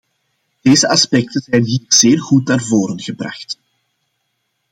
Deze aspecten zijn hier zeer goed naar voren gebracht.